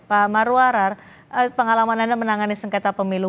pak marwarar pengalaman anda menangani sengketa pemilu